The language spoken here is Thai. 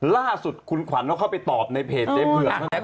ล่าสุดคุณขวัญเขาเข้าไปตอบในเพจเจ๊เผือกนะครับ